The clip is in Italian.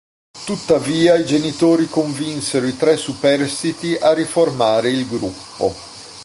Tuttavia i genitori convinsero i tre superstiti a riformare il gruppo.